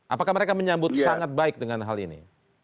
apakah mereka menyambut sangat baik dengan hal ini